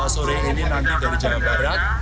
sore ini nanti dari jawa barat